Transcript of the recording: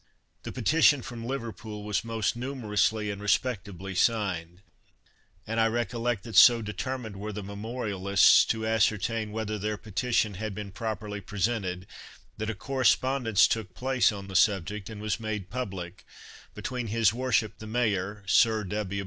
The petition from Liverpool was most numerously and respectably signed; and I recollect that so determined were the memorialists to ascertain whether their petition had been properly presented that a correspondence took place on the subject and was made public, between his worship the mayor, Sir W.